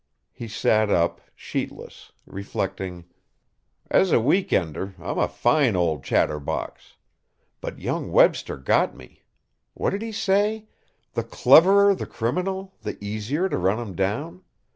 He sat up, sheetless, reflecting: "As a week ender, I'm a fine old chatter box! But young Webster got me! What did he say? 'The cleverer the criminal, the easier to run him down.